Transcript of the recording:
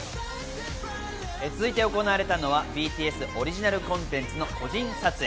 続いて行われたのはＢＴＳオリジナルコンテンツのＣＭ撮影。